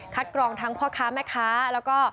กรองทั้งพ่อค้าแม่ค้าแล้วก็